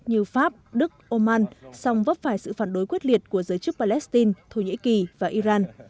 như pháp đức oman song vấp phải sự phản đối quyết liệt của giới chức palestine thổ nhĩ kỳ và iran